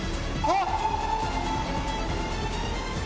あっ！